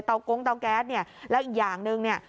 กงเตาแก๊สเนี่ยแล้วอีกอย่างหนึ่งเนี่ย